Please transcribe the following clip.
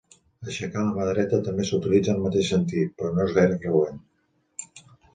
Aixecar la mà dreta també s'utilitza en el mateix sentit, però no és gaire freqüent.